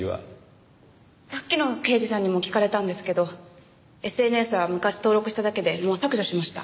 さっきの刑事さんにも聞かれたんですけどＳＮＳは昔登録しただけでもう削除しました。